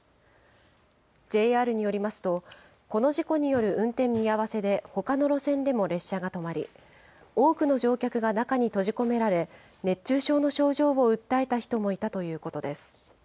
ＪＲによりますと、この事故による運転見合わせでほかの路線でも列車が止まり、多くの乗客が中に閉じ込められ、熱中症の症状を訴えた人もいたということです。